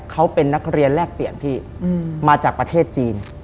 เขาเป็นนักเรียนแลกเปลี่ยนพี่มาจากประเทศจีน